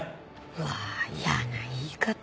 うわあ嫌な言い方。